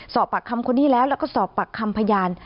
สอบปากคำคนนี้แล้วแล้วก็สอบปากคำพยาน